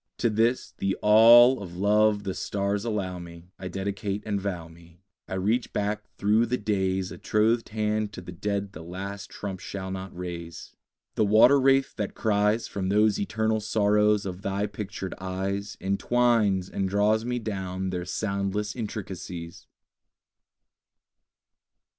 To this, the all of love the stars allow me, I dedicate and vow me. I reach back through the days A trothed hand to the dead the last trump shall not raise. The water wraith that cries From those eternal sorrows of thy pictured eyes Entwines and draws me down their soundless intricacies!